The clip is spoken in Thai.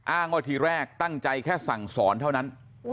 ว่าทีแรกตั้งใจแค่สั่งสอนเท่านั้น